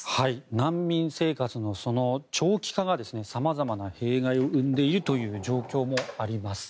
難民生活の長期化がさまざまな弊害を生んでいる状況もあります。